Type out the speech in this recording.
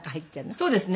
そうですね。